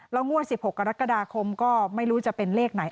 งวด๑๖กรกฎาคมก็ไม่รู้จะเป็นเลขไหน